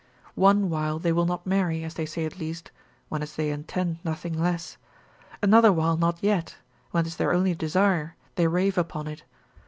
One while they will not marry, as they say at least, (when as they intend nothing less) another while not yet, when 'tis their only desire, they rave upon it.